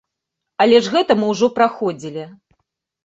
Але ж гэта мы ўжо праходзілі.